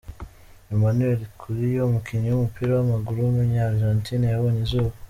Emmanuel Culio, umukinnyi w’umupira w’amaguru w’umunya Argentine yabonye izuba.